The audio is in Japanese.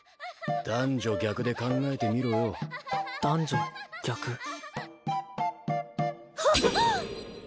男女逆で考えてみろよ男女逆はっ！